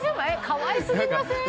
かわいすぎません？